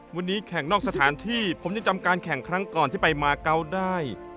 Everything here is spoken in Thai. วันนี้แข่งนอกสถานที่ผมยังจำการแข่งครั้งก่อนที่ไปมาเกาะได้